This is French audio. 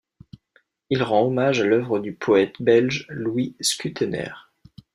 Il rend hommage à l'œuvre du poète belge Louis Scutenaire.